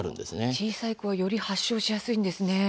小さい子はより発症しやすいんですね。